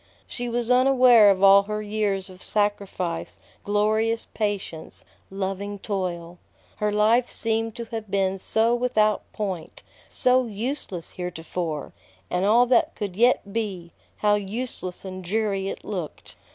She was unaware of all her years of sacrifice, glorious patience, loving toil. Her life seemed to have been so without point, so useless heretofore; and all that could yet be, how useless and dreary it looked!